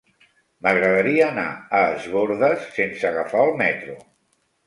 M'agradaria anar a Es Bòrdes sense agafar el metro.